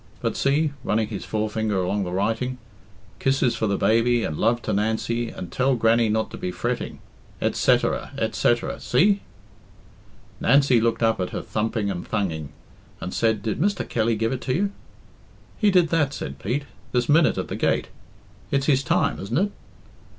But see," running his forefinger along the writing "'Kisses for the baby, and love to Nancy, and tell Grannie not to be fretting? et setterer, et setterer. See?" Nancy looked up at her thumping and thunging, and said, "Did Mr. Kelly give it you?" "He did that," said Pete, "this minute at the gate. It's his time, isn't it?"